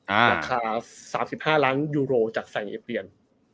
ราคา๓๕ล้างยูโรจากแสงเอียดเปลี่ยน